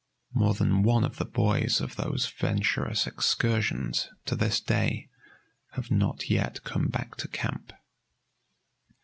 More than one of the boys of those venturous excursions, to this day, have not yet come back to camp.